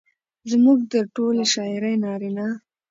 زموږ د ټولې شاعرۍ نارينه